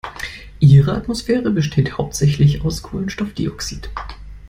Ihre Atmosphäre besteht hauptsächlich aus Kohlenstoffdioxid.